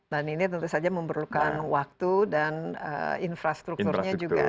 ini tentu saja memerlukan waktu dan infrastrukturnya juga